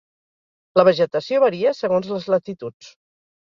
La vegetació varia segons les latituds.